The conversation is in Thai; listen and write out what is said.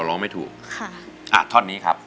อินโทรเพลงที่๓มูลค่า๔๐๐๐๐บาทมาเลยครับ